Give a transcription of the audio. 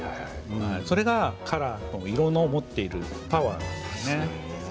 それがカラー、色の持っているパワーなんですね。